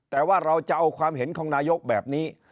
แต่ว่าเราจะเอาความเห็นของนายกแบบนี้